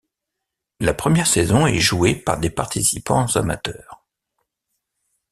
La première saison est jouée par des participants amateurs.